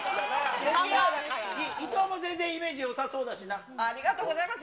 いとうも全然イメージよさそありがとうございます。